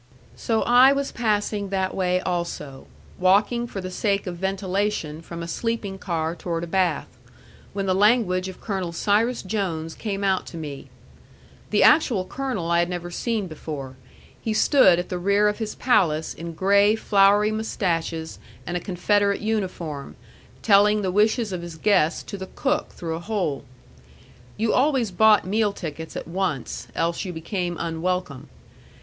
So I was passing that way also, walking for the sake of ventilation from a sleeping car toward a bath, when the language of Colonel Cyrus Jones came out to me. The actual colonel I had never seen before. He stood at the rear of his palace in gray flowery mustaches and a Confederate uniform, telling the wishes of his guests to the cook through a hole. You always bought meal tickets at once, else you became unwelcome.